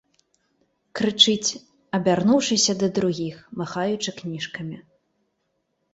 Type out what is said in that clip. Крычыць, абярнуўшыся да другіх, махаючы кніжкамі.